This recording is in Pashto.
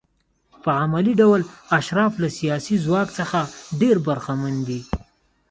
په عملي ډول اشراف له سیاسي ځواک څخه ډېر برخمن دي.